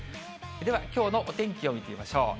では、きょうのお天気を見てみましょう。